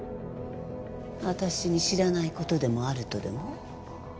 私に知らない事でもあるとでも？